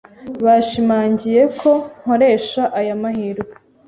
Bashimangiye ko nkoresha aya mahirwe.